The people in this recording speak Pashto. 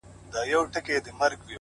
یوه خولگۍ خو مسته، راته جناب راکه،